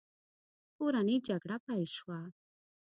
کورنۍ جګړه پیل شوه.